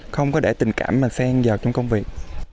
không có để tình cảm mà xen vào trong công việc